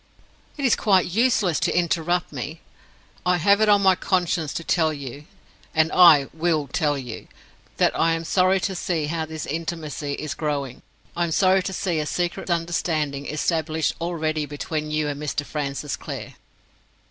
"It is quite useless to interrupt me. I have it on my conscience to tell you—and I will tell you—that I am sorry to see how this intimacy is growing. I am sorry to see a secret understanding established already between you and Mr. Francis Clare."